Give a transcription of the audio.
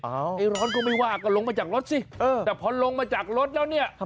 ไอ้ร้อนก็ไม่ว่าก็ลงมาจากรถสิแต่พอลงมาจากรถแล้วเนี่ย